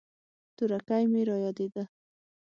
تورکى مې رايادېده.